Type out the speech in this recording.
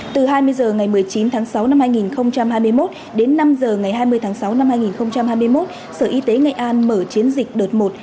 từ hai mươi h ngày một mươi chín tháng sáu năm hai nghìn hai mươi một đến năm h ngày hai mươi tháng sáu năm hai nghìn hai mươi một sở y tế nghệ an mở chiến dịch đợt một